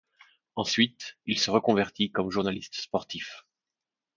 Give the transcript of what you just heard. Ensuite, il se reconvertit comme journaliste sportif.